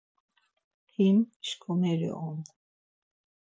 Him şǩomeri on.